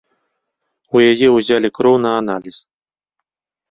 У яе ўзялі кроў на аналіз.